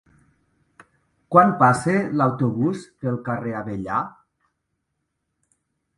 Quan passa l'autobús pel carrer Avellà?